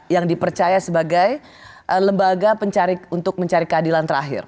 yang dipercaya sebagai lembaga pencari untuk mencari keadilan terakhir